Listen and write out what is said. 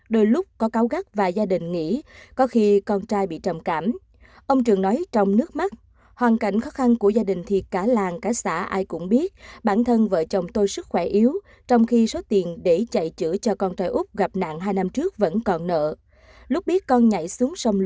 đôi lúc có cáo gắt và gia đình nghĩ có khi con trai bị trầm cảm